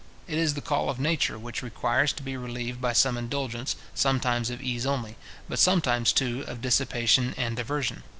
It is the call of nature, which requires to be relieved by some indulgence, sometimes of ease only, but sometimes too of dissipation and diversion.